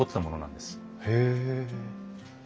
へえ。